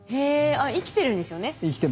あっ生きてるんですよね？